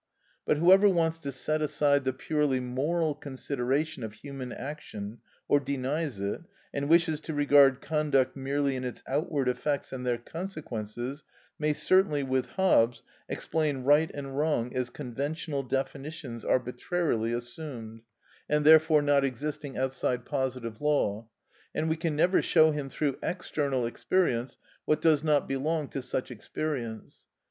But whoever wants to set aside the purely moral consideration of human action, or denies it, and wishes to regard conduct merely in its outward effects and their consequences, may certainly, with Hobbes, explain right and wrong as conventional definitions arbitrarily assumed, and therefore not existing outside positive law, and we can never show him through external experience what does not belong to such experience.